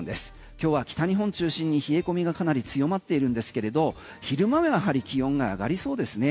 今日は北日本中心に冷え込みがかなり強まっているんですけれど昼間はやはり気温が上がりそうですね。